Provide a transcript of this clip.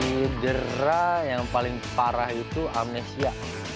cedera yang paling parah itu amnesia